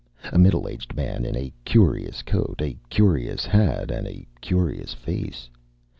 A middle aged man in a curious coat, a curious hat and a curious face.